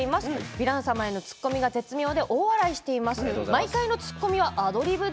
ヴィラン様への突っ込みが絶妙で大笑いしています。